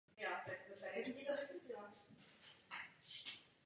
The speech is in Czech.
Jednalo se o rekordní počet přihlášených prací.